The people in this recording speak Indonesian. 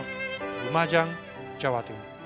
rumah jang jawa tenggara